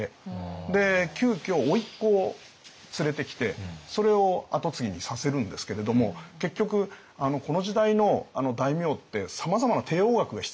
で急きょおいっ子を連れてきてそれを跡継ぎにさせるんですけれども結局この時代の大名ってさまざまな帝王学が必要なんですよね。